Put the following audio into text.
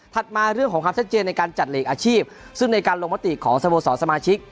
มาเรื่องของความชัดเจนในการจัดหลีกอาชีพซึ่งในการลงมติของสโมสรสมาชิก